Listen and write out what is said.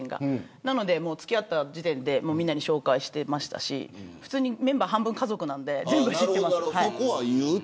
なのでつき合った時点でみんなに紹介してましたしメンバーは半分家族なので全部知っています。